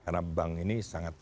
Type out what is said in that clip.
karena bank ini sangat